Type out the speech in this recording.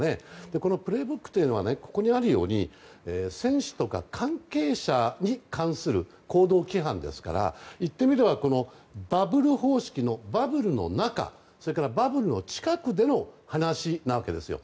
この「プレイブック」というのはここにあるように選手とか関係者に関する行動規範ですからいってみれば、バブル方式のバブルの中それからバブルの近くでの話なわけですよ。